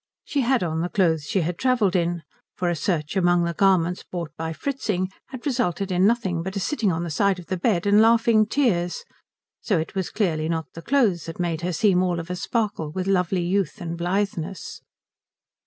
She had on the clothes she had travelled in, for a search among the garments bought by Fritzing had resulted in nothing but a sitting on the side of the bed and laughing tears, so it was clearly not the clothes that made her seem all of a sparkle with lovely youth and blitheness.